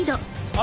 あ。